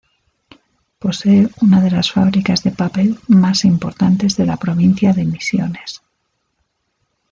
Posee una de las fábricas de papel más importantes de la provincia de Misiones.